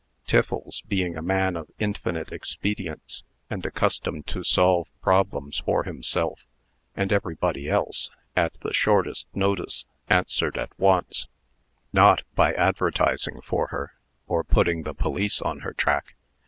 Tiffles, being a man of infinite expedients, and accustomed to solve problems for himself, and everybody else, at the shortest notice, answered at once: "Not by advertising for her, or putting the police on her track.